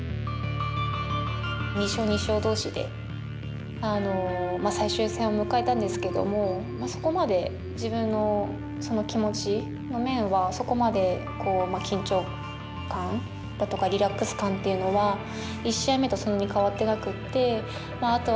２勝２勝同士で最終戦を迎えたんですけどもまあそこまで自分の気持ちの面はそこまで緊張感だとかリラックス感っていうのは１試合目とそんなに変わってなくってまあ